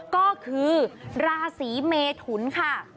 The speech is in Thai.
ก็คือราศีเมทุนค่ะ